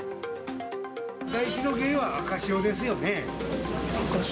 第一の原因は赤潮ですよね。